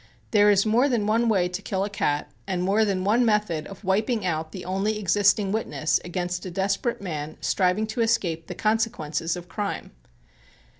There is more than one way to kill a cat and more than one method of wiping out the only existing witness against a desperate man striving to escape the consequences of crime.